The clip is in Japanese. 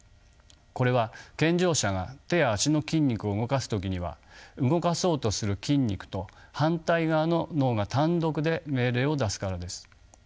これは健常者が手や足の筋肉を動かす時には動かそうとする筋肉と反対側の脳が単独で命令を出すからです。